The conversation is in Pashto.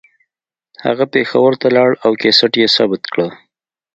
هغه پېښور ته لاړ او کیسټ یې ثبت کړه